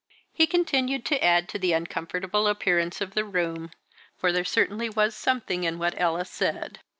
He continued to add to the uncomfortable appearance of the room; for there certainly was something in what Ella said.